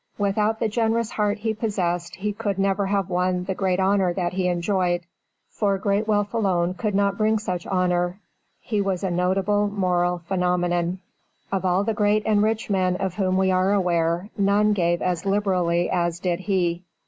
Without the generous heart he possessed he could never have won the great honor that he enjoyed, for great wealth alone could not bring such honor. He was a notable moral phenomenon. Of all the great and rich men of whom we are aware, none gave as liberally as did he.